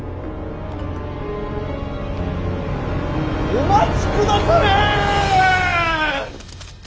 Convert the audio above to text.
お待ちくだされ！